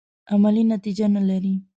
عملي نتیجه نه لري.